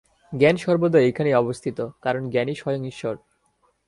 জ্ঞান সর্বদা এইখানেই অবস্থিত, কারণ জ্ঞানই স্বয়ং ঈশ্বর।